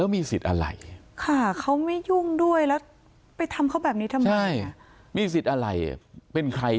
มีคิดว่าจะเลิก